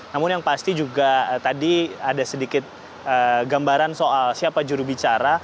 namun yang pasti juga tadi ada sedikit gambaran soal siapa jurubicara